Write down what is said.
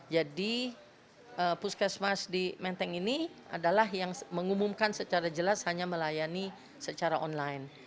jadi puskesmas di menteng ini adalah yang mengumumkan secara jelas hanya melayani secara online